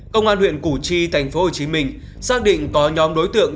công an huyện củ chi thành phố hồ chí minh xác định có nhóm đối tượng